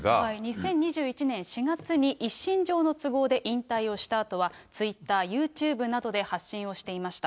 ２０２１年４月に一身上の都合で引退をしたあとは、ツイッター、ユーチューブなどで発信をしていました。